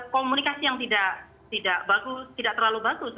komunikasi yang tidak terlalu bagus